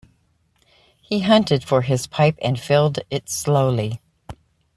He hunted for his pipe and filled it slowly.